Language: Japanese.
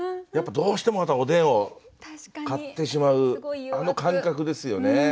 やっぱどうしてもおでんを買ってしまうあの感覚ですよね。